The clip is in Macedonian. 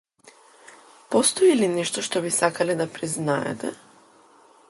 Постои ли нешто што би сакале да признаете?